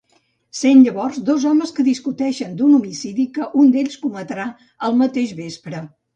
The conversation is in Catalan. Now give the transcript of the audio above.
Sent llavors dos homes que discuteixen d'un homicidi que un d'ells cometrà el mateix vespre.